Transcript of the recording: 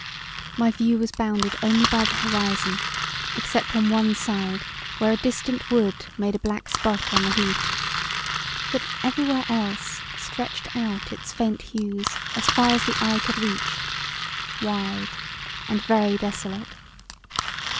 My view was bounded only by the horizon except on one side where a distant wood made a black spot on the heath, that every where else stretched out its faint hues as far as the eye could reach, wide and very desolate.